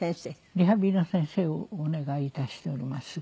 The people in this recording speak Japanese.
リハビリの先生をお願いいたしております。